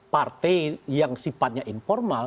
partai yang sifatnya informal